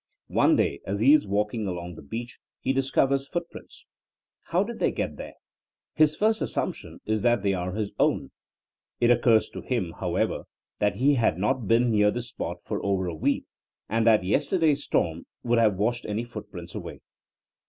One day, as he is walking along the beach, he discovers footprints. How did they get there? His first assumption is that they are his own. It occurs to him, however, that he had not been near this spot for over a week, and that yester day's storm would have washed any footprints away.